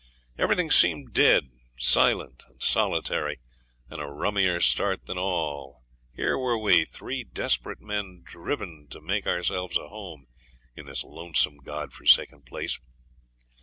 Everything seemed dead, silent, and solitary, and a rummier start than all, here were we three desperate men, driven to make ourselves a home in this lonesome, God forsaken place!